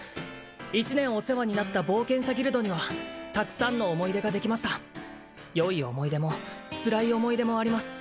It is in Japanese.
１年お世話になった冒険者ギルドにはたくさんの思い出ができましたよい思い出もつらい思い出もあります